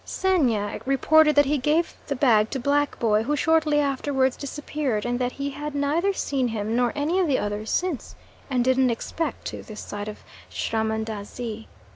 Xenia reported that he gave the bag to Black boy, who shortly afterwards disappeared, and that he had neither seen him nor any of the others since, and didn't expect to this side of Srahmandazi.